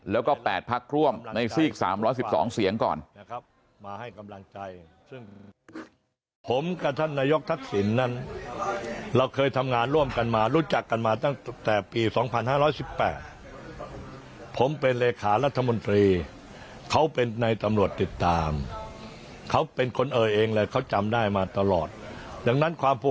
แล้วก็๘พลักษณ์ร่วมในซีก๓๑๒เสียงก่อน